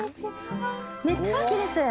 めっちゃ好きです。